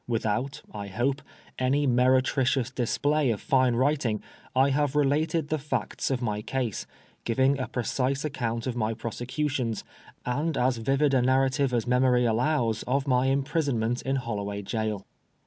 Without (I hope) any meretricious display of fine writing, I have related the facts of my case, giving a precise account of my prosecutions, and as vivid a narrative as memory allows of my imprisonment in Holloway Gaol.